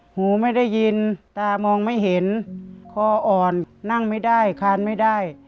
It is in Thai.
หูไม่ได้ยินตามองไม่เห็นคออ่อนนั่งไม่ได้คานไม่ได้